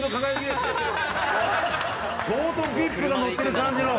相当ＶＩＰが乗ってる感じの。